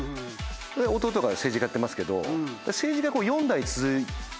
で弟が政治家やってますけど。